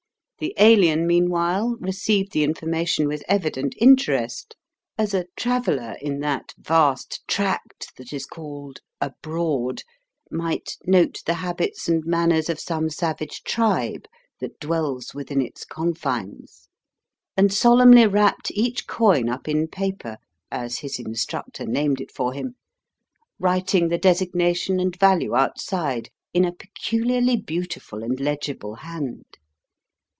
The Alien meanwhile received the information with evident interest, as a traveller in that vast tract that is called Abroad might note the habits and manners of some savage tribe that dwells within its confines, and solemnly wrapped each coin up in paper, as his instructor named it for him, writing the designation and value outside in a peculiarly beautiful and legible hand.